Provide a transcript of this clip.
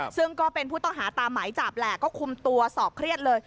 ซึ่งก็เป็นผู้ต้องหาตามหมายจับแหละก็คุมตัวสอบเครียดเลย